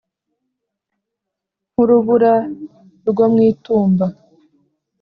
nk’urubura rwo mu itumba